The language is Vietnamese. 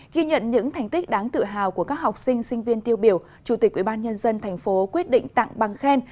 ghi nhận những thành tích đáng tự hào của các học sinh sinh viên tiêu biểu chủ tịch quỹ ban nhân dân thành phố quyết định tặng bằng khen